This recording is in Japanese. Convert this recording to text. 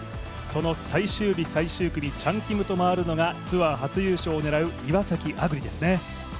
その最終日最終組チャン・キムと回るのがツアー初優勝を狙う岩崎亜久竜ですね。